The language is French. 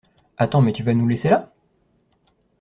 Attends mais tu vas nous laisser là?